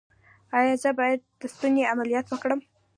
ایا زه باید د ستوني عملیات وکړم؟